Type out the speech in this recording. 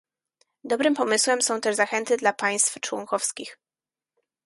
dobrym pomysłem są też zachęty dla państw członkowskich